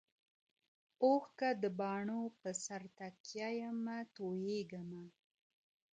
اوښکه د باڼو پر سر تکیه یمه تویېږمه ..